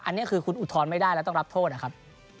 อันนี้คือคุณอุทธรณ์ไม่ได้แล้วต้องรับโทษนะครับ